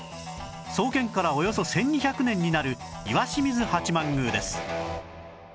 創建からおよそ１２００年になる石清水八幡宮です